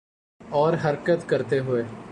اور حرکت کرتے ہوئے